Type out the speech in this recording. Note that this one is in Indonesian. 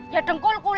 ya dengkul kulak